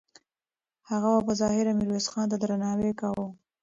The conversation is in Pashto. هغه به په ظاهره میرویس خان ته درناوی کاوه.